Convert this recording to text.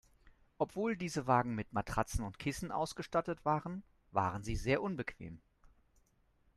Obwohl diese Wagen mit Matratzen und Kissen ausgestattet waren, waren sie sehr unbequem.